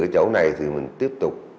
chỗ này thì mình tiếp tục